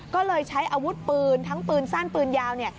ก็เลยใช้อาวุธปืนทั้งปืนสั้นปืนยาวเนี่ย